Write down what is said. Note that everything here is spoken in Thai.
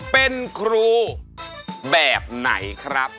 เป็นครูแบบไหนครับ